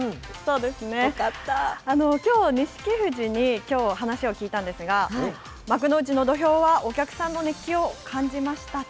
きょう、錦富士にきょう話を聞いたんですが、幕内の土俵はお客さんの熱気を感じました。